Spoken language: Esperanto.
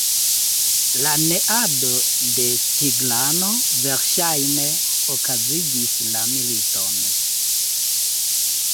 La neado de Tigrano verŝajne okazigis la militon.